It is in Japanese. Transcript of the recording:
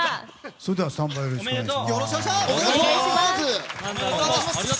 それではスタンバイお願いします。